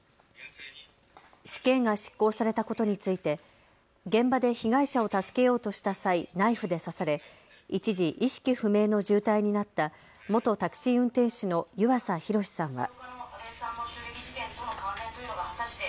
死刑が執行されたことについて現場で被害者を助けようとした際、ナイフで刺され一時、意識不明の重体になった元タクシー運転手の湯浅洋さんは。